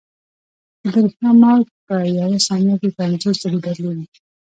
د برېښنا موج په یوه ثانیه کې پنځوس ځلې بدلېږي.